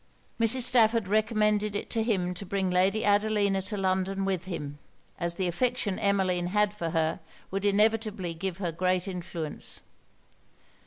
Mrs. Stafford recommended it to him to bring Lady Adelina to London with him, as the affection Emmeline had for her would inevitably give her great influence.